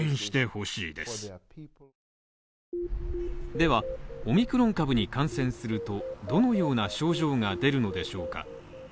ではオミクロン株に感染すると、どのような症状が出るのでしょうか？